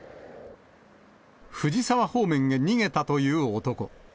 藤沢方面へ逃げたという男。